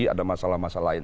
ada masalah masalah lain